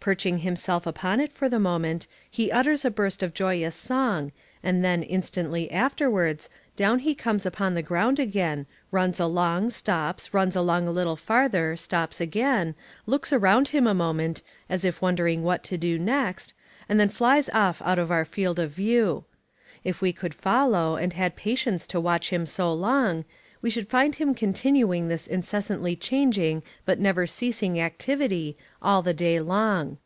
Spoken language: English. Perching himself upon it for the moment, he utters a burst of joyous song, and then, instantly afterwards, down he comes upon the ground again, runs along, stops, runs along a little farther, stops again, looks around him a moment, as if wondering what to do next, and then flies off out of our field of view. If we could follow, and had patience to watch him so long, we should find him continuing this incessantly changing but never ceasing activity all the day long.